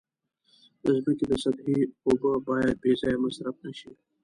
د ځمکې د سطحې اوبه باید بې ځایه مصرف نشي.